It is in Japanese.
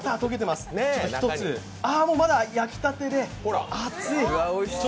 まだ焼きたてで熱い。